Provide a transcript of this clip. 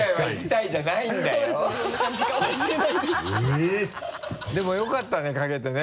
えぇ？でもよかったね嗅げてね。